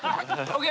ＯＫ。